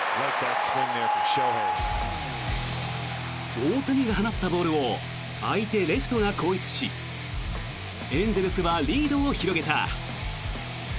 大谷が放ったボールを相手レフトが後逸しエンゼルスはリードを広げた。